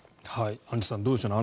アンジュさんどうでしょうね。